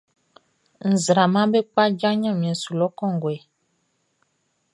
Nzraamaʼm be kpaja ɲanmiɛn su lɔ kɔnguɛ.